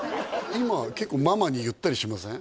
今結構ママに言ったりしません？